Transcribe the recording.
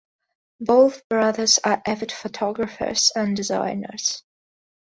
Both brothers are avid photographers and designers.